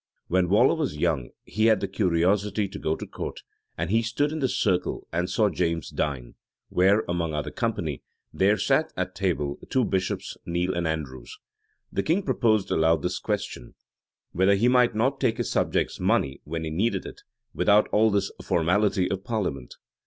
When Waller was young, he had the curiosity to go to court; and he stood in the circle, and saw James dine; where, among other company, there sat at table two bishops, Neile and Andrews. The king proposed aloud this question, Whether he might not take his subjects' money, when he needed it, without all this formality of parliament?